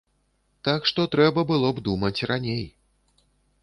Так што трэба было б думаць раней.